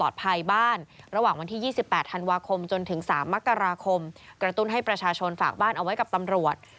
ระหว่างวันที่๒๘ธันวาคมจนถึง๓มกราคมกระตุ้นให้ประชาชนฝากบ้านเอาไว้กับตำรวจ